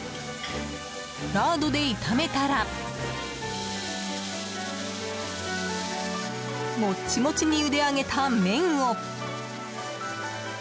ラードで炒めたらもっちもちにゆで上げた麺を。